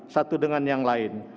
satu dengan yang lain